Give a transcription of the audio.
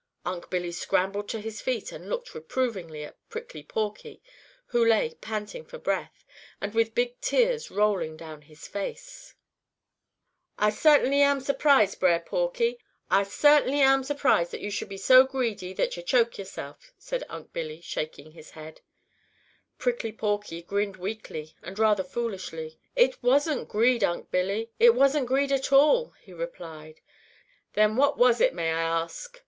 Unc' Billy scrambled to his feet and looked reprovingly at Prickly Porky, who lay panting for breath, and with big tears rolling down his face. [Illustration: Then he braced himself and pulled with all his might. Page 30.] "Ah cert'nly am surprised, Brer Porky; Ah cert'nly am surprised that yo' should be so greedy that yo' choke yo'self," said Unc' Billy, shaking his head. Prickly Porky grinned weakly and rather foolishly. "It wasn't greed, Unc' Billy. It wasn't greed at all," he replied. "Then what was it, may Ah ask?"